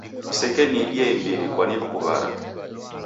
Kusekeniidia imbiri kwanikuw'ara.